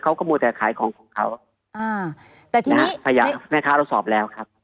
มัวแต่ขายของของเขาอ่าแต่ทีนี้แม่ค้าเราสอบแล้วครับ